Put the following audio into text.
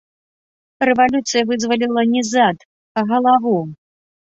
Рэвалюцыя вызваліла не зад, а галаву.